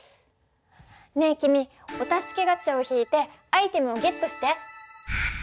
ねえ君お助けガチャを引いてアイテムをゲットして！